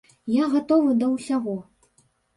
Я гатовы да ўсяго.